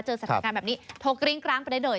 สถานการณ์แบบนี้โทรกริ้งกร้างไปได้เลย